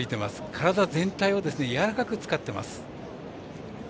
体全体をやわらかく使ってます。